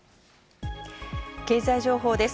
経済情報です。